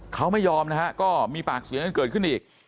เขาไม่ยอมนะฮะก็มีปากเสียงกันเกิดขึ้นอีก